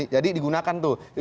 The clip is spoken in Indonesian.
jadi digunakan tuh